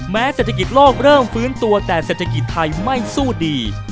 เศรษฐกิจโลกเริ่มฟื้นตัวแต่เศรษฐกิจไทยไม่สู้ดี